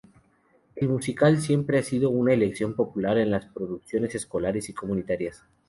El musical siempre ha sido una elección popular en las producciones escolares y comunitarias.